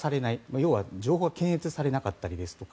要は情報を検閲されなかったりですとか